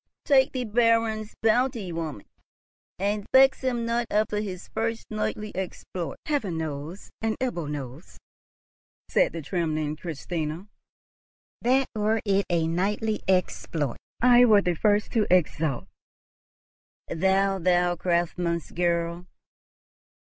Take the Baron's bounty, woman, and vex him not after his first knightly exploit." "Heaven knows, and Ebbo knows," said the trembling Christina, "that, were it a knightly exploit, I were the first to exult." "Thou! thou craftsman's girl!